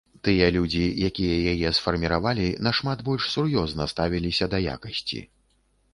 Тыя людзі, якія яе сфарміравалі, нашмат больш сур'ёзна ставіліся да якасці.